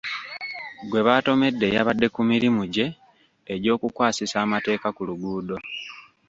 Gwe baatomedde yabadde ku mirimu gye egy'okukwasisa amateeka ku luguudo.